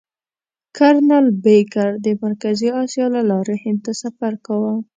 کرنل بېکر د مرکزي اسیا له لارې هند ته سفر کاوه.